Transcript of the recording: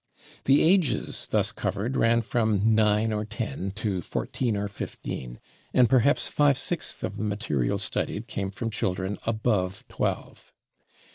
The ages thus covered ran from nine or ten to fourteen or fifteen, and perhaps five sixths of the material studied came from [Pg188] children above twelve.